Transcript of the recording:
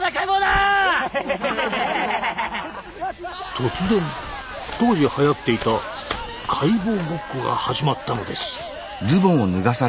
突然当時はやっていた「解剖ごっこ」が始まったのです。